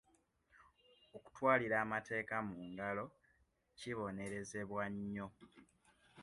Okutwalira amateeka mu ngalo kibonerezebwa nnyo.